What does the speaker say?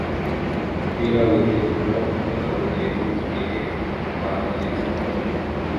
umupira witegura gukora urugendo mugihe bahagaritswe